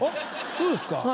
そうですか？